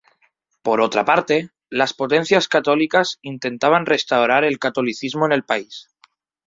Por otra parte, las potencias católicas intentaban restaurar el catolicismo en el país.